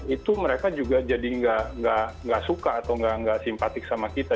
itu mereka juga jadi nggak suka atau nggak simpatik sama kita